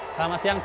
selamat siang cik